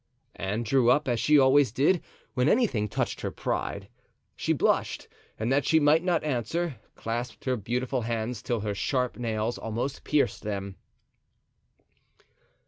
Anne drew up, as she always did, when anything touched her pride. She blushed, and that she might not answer, clasped her beautiful hands till her sharp nails almost pierced them.